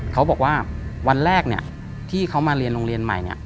เขาบอกว่าวันแรกเนี่ยที่เขามาเรียนโรงเรียนใหม่เนี่ย